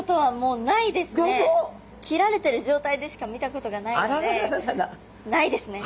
切られてる状態でしか見たことがないのでないですね